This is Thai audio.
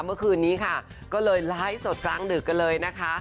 เมื่อคืนนี้ค่ะก็เลยไลฟ์สดกลางดึกกันเลยนะคะ